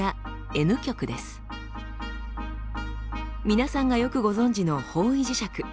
皆さんがよくご存じの方位磁石。